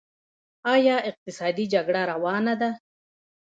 آیا اقتصادي جګړه روانه ده؟